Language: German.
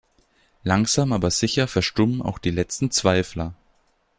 Langsam aber sicher verstummen auch die letzten Zweifler.